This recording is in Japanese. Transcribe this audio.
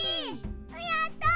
やった！